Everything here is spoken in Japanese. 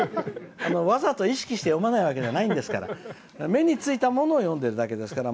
わざと意識して読まないわけではないんですから目についたものを読んでるだけですから。